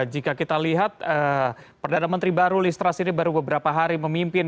jika kita lihat perdana menteri baru listras ini baru beberapa hari memimpin